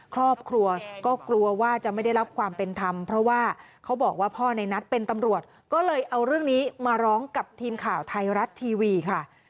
ครอบครัวก็กลัวว่าจะไม่ได้รับความเป็นธรรมเพราะว่าเขาบอกว่าพ่อในนัทเป็นตำรวจก็เลยเอาเรื่องนี้มาร้องกับทีมข่าวไทยรัฐทีวีค่ะ